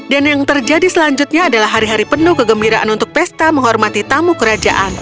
dan yang terjadi selanjutnya adalah hari hari penuh kegembiraan untuk pesta menghormati tamu kerajaan